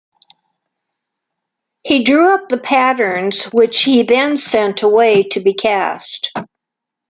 He drew up the patterns which he then sent away to be cast.